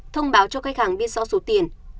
thông báo cho khách hàng biết rõ số tiền